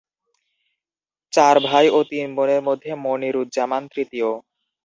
চার ভাই ও তিন বোনের মধ্যে মনিরুজ্জামান তৃতীয়।